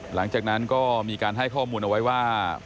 หลังจากนั้นก็มีการให้ข้อมูลเอาไว้ว่า